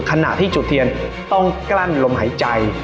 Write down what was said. ขณะที่จุดเทียนต้องกลั้นลมหายใจ